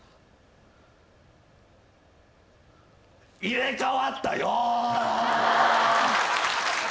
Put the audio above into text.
入れかわったよ！